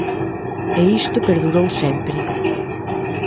E isto perdurou sempre.